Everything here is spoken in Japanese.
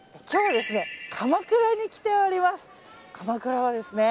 今日は鎌倉に来ております。